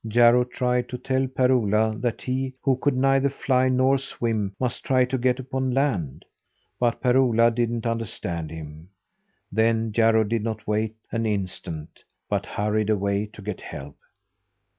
Jarro tried to tell Per Ola that he, who could neither fly nor swim, must try to get upon land; but Per Ola didn't understand him. Then Jarro did not wait an instant, but hurried away to get help.